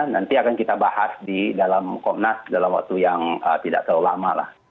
nanti akan kita bahas di dalam komnas dalam waktu yang tidak terlalu lama lah